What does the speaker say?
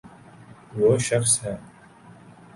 و ہ شخص ہے۔